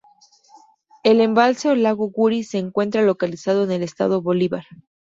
El embalse o lago Guri se encuentra localizado en el estado Bolívar.